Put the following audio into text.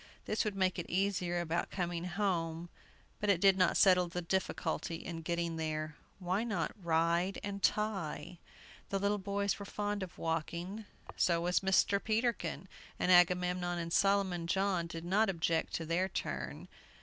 This would make it easier about coming home, but it did not settle the difficulty in getting there. Why not "Ride and Tie"? The little boys were fond of walking; so was Mr. Peterkin; and Agamemnon and Solomon John did not object to their turn.